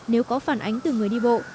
nếu có phản ánh từ người đi bộ